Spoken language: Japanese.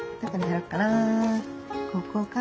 ここかな。